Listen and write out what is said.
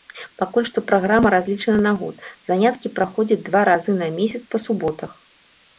Пакуль што праграма разлічана на год, заняткі праходзяць два разы на месяц па суботах.